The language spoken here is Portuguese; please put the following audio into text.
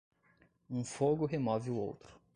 Um fogo remove o outro.